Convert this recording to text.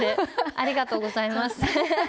ありがとうございます。